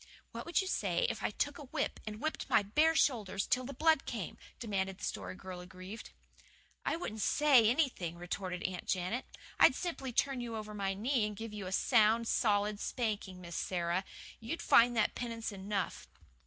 "What would you say if I took a whip and whipped my bare shoulders till the blood came?" demanded the Story Girl aggrieved. "I wouldn't SAY anything," retorted Aunt Janet. "I'd simply turn you over my knee and give you a sound, solid spanking, Miss Sara. You'd find that penance enough."